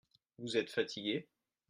Vous êtes fatigué ?